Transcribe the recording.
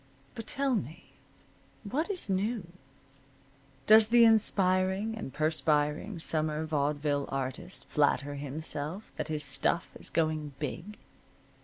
But tell me, what is new? Does the aspiring and perspiring summer vaudeville artist flatter himself that his stuff is going big?